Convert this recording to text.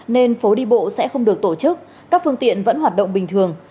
nên phố đi bộ sẽ không được tổ chức các phương tiện vẫn hoạt động bình thường